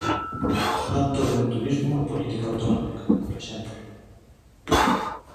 Non todo é turismo e política autonómica, por exemplo.